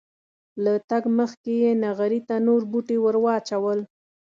له تګه مخکې یې نغري ته نور بوټي ور واچول.